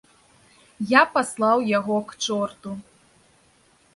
Я паслаў яго к чорту.